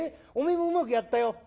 おめえもうまくやったよ。